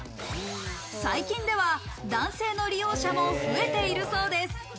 最近では男性の利用者も増えているそうです。